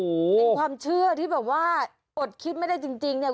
เป็นความเชื่อที่แบบว่าอดคิดไม่ได้จริงเนี่ย